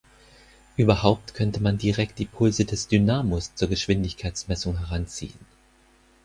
Überhaupt könnte man direkt die Pulse des Dynamos zur Geschwindigkeitsmessung heranziehen.